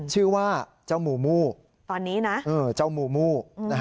ชื่อว่าเจ้าหมู่มูตอนนี้นะเจ้าหมู่มู่